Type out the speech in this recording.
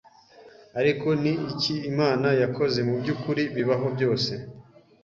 Ariko ni iki Imana yakoze mubyukuri bibaho byose